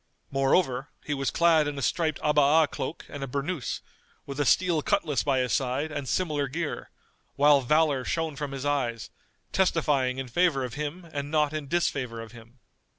Moreover, he was clad in a striped Abá cloak and a burnous, with a steel cutlass by his side and similar gear, while valour shone from his eyes, testifying in favour of him and not in disfavour of him.